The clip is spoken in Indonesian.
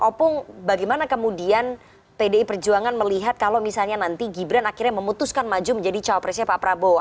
opung bagaimana kemudian pdi perjuangan melihat kalau misalnya nanti gibran akhirnya memutuskan maju menjadi cawapresnya pak prabowo